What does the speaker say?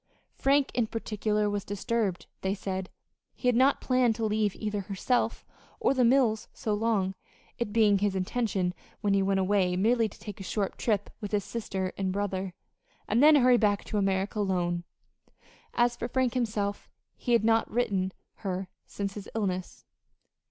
Frank, in particular, was disturbed, they said. He had not planned to leave either herself or the mills so long, it being his intention when he went away merely to take a short trip with his sister and brother, and then hurry back to America alone. As for Frank himself he had not written her since his illness.